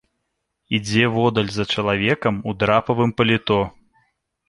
Ідзе воддаль за чалавекам у драпавым паліто.